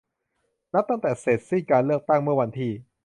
นับตั้งแต่เสร็จสิ้นการเลือกตั้งเมื่อวันที่